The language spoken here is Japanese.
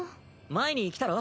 前に来たろ？